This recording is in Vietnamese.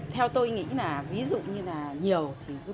theo tôi nghĩ là ví dụ như là nhiều